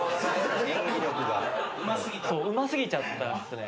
うますぎちゃったっすね。